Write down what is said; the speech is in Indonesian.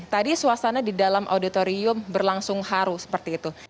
tadi suasana di dalam auditorium berlangsung haru seperti itu